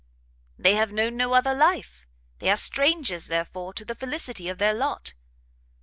"They have known no other life. They are strangers, therefore, to the felicity of their lot.